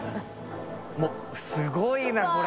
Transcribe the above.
發すごいなこれ。